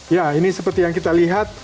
ya ini seperti yang kita lihat